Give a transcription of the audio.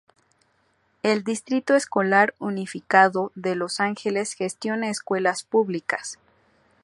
El Distrito Escolar Unificado de Los Ángeles gestiona escuelas públicas.